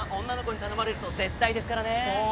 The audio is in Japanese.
女の子に頼まれると絶対ですからねぇ。